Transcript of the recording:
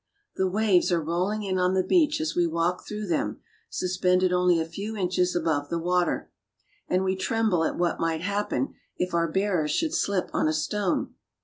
The waves are rolling in on the beach as we walk through them suspended only a few inches above the water, and we tremble at what might happen if our bear ers should slip on a stone.